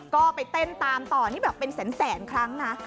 ก็ไปเต้นตามต่อนี่แบบเป็นแสนครั้งนะ